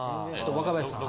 若林さん。